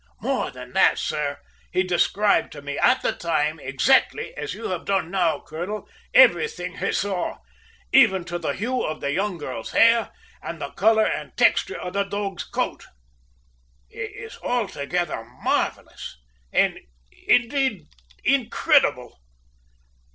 More than that, sir, he described to me at the time, exactly as you have done now, colonel, everything he saw, even to the very hue of the young girl's hair and the colour and texture of the dog's coat! It is altogether marvellous and, indeed, incredible!"